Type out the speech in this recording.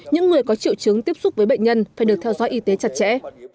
những người có triệu chứng tiếp xúc với bệnh nhân phải được theo dõi y tế chặt chẽ